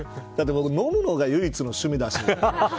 僕飲むのが唯一の趣味だし。